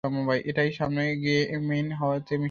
এটাই সামনে গিয়ে মেইন হাইওয়েতে মিশে।